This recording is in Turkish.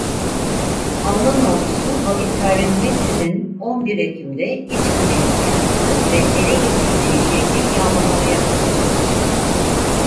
Alman ordusu vakit kaybetmeksizin on bir Ekim'de İç Kale'yi kuşattı ve ele geçirdiği şehri yağmalamaya başladı.